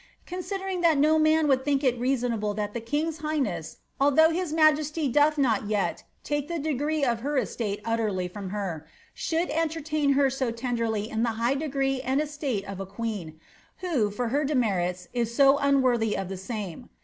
Considering no man would think it reasonable that th highness (altliough his majesty doth not yet take the degree of her estaii from her) should entertain her so tenderly in the high degree and est queen, who for her demerits is so unworthy of the same.